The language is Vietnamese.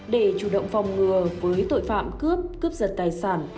để chủ động phòng ngừa với tội phạm cướp cướp giật tài sản